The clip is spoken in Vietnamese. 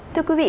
thưa quý vị